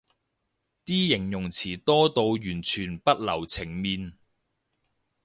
啲形容詞多到完全不留情面